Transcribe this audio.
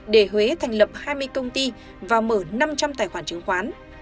để huế thành lập hai mươi công ty và mở năm trăm linh tài khoản chứng khoán